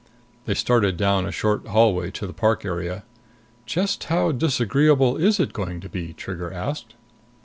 They started down a short hallway to the park area. "Just how disagreeable is it going to be?" Trigger asked.